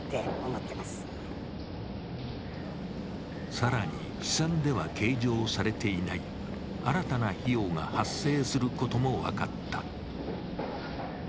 更に試算では計上されていない新たな費用が発生することも分かった。